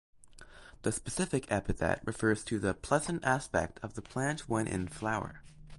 The specific epithet refers to the "pleasant aspect of the plant when in flower".